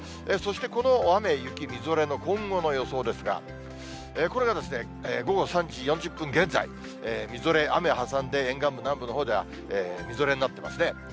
そしてこの雨、雪、みぞれの今後の予想ですが、これが午後３時４０分現在、みぞれ、雨挟んで、沿岸部、南部のほうではみぞれになってますね。